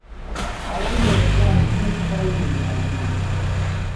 آدم گرسنه از هیچ کاری رویگردان نیست.